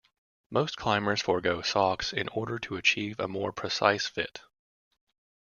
Most climbers forgo socks in order to achieve a more precise fit.